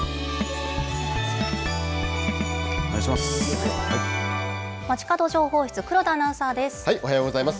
お願いします。